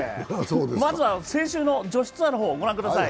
まずは先週の女子ツアーをご覧ください。